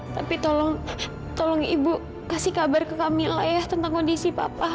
tapi tolong tolong ibu kasih kabar ke kamila ya tentang kondisi papa